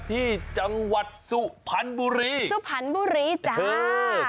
ที่จังหวัดสุพรรณบุรีสุพรรณบุรีจ้า